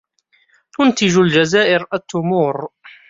تنتج الجزائر التمور.